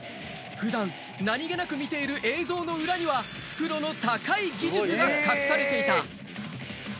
普段、何気なく見ているその裏には、プロの高い技術が隠されていた。